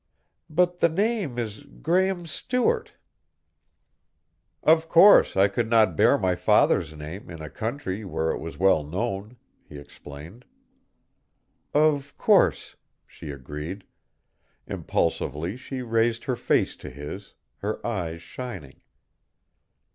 "But the name is Graehme Stewart." "Of course I could not bear my father's name in a country where it was well known," he explained. "Of course," she agreed. Impulsively she raised her face to his, her eyes shining.